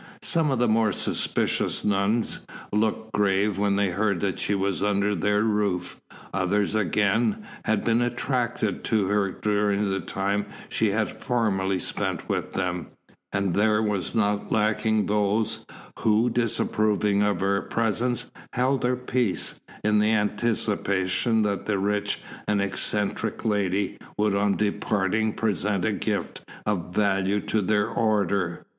Some of the more suspicious nuns looked grave when they heard that she was under their roof; others, again, had been attached to her during the time she had formerly spent among them; and there were not lacking those who, disapproving of her presence, held their peace, in the anticipation that the rich and eccentric lady would on departing present a gift of value to their order.